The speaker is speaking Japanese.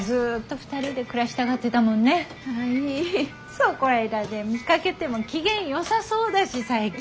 そこいらで見かけても機嫌よさそうだし最近。